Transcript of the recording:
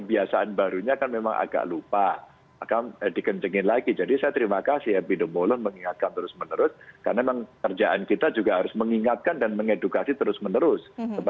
iya ini statement sangat bagus